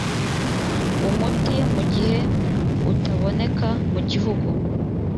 umuti mu gihe utaboneka mu gihugu